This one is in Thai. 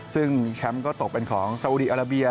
ซึ่งแชมป์ก็ตกเป็นของสาวุดีอาราเบีย